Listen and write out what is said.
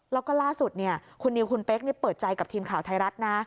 แล้วก็ล่าสุดคุณนิวคุณเป๊กเปิดใจกับทีมข่าวไทยรัฐนะ